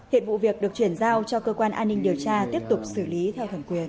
hiện vụ việc được chuyển giao cho cơ quan an ninh điều tra tiếp tục xử lý theo thẩm quyền